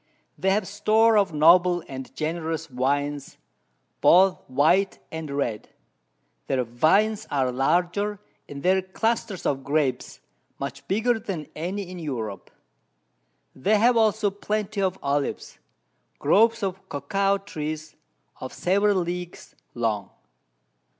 They have Store of noble and generous Wines, both white and red; their Vines are larger, and their Clusters of Grapes much bigger than any in Europe. They have also plenty of Olives, Groves of Cocoa Trees of several Leagues long.